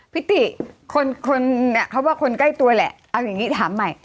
พี่ติคนเขาว่าคนใกล้ตัวแหละเอาอย่างนี้ถามใหม่